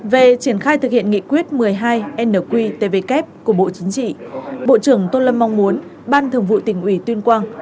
về triển khai thực hiện nghị quyết một mươi hai nqtvk của bộ chính trị bộ trưởng tô lâm mong muốn ban thường vụ tỉnh ủy tuyên quang